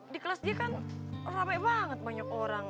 di kelas dia kan rame banget banyak orang